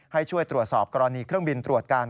ให้ช่วยตรวจสอบกรณีเครื่องบินตรวจการ